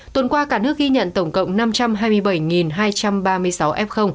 tuần qua cả nước ghi nhận tổng cộng năm trăm hai mươi bảy hai trăm ba mươi sáu f